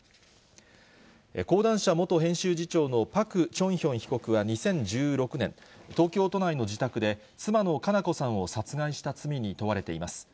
講談社元編集次長のパク・チョンヒョン被告は２０１６年、東京都内の自宅で、妻の佳菜子さんを殺害した罪に問われています。